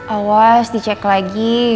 awas dicek lagi